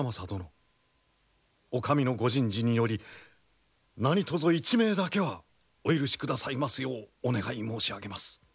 お上のご仁慈により何とぞ一命だけはお許しくださいますようお願い申し上げます。